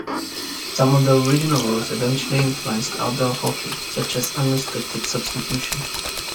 Some of the original rules eventually influenced outdoor hockey, such as unrestricted substitution.